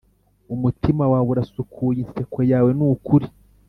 umutima wawe urasukuye, inseko yawe nukuri.